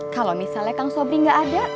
kalau misalnya kang sobri nggak ada